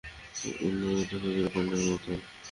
উন্মুলিত খেজুর কাণ্ডের মত।